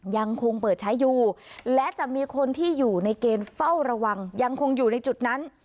ยังคงเปิดใช้อยู่และจะมีคนที่อยู่ในเกณฑ์เฝ้าระวังยังคงอยู่ในจุดนั้น